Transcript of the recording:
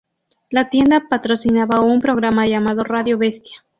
La tienda patrocinaba un programa llamado Radio Bestia.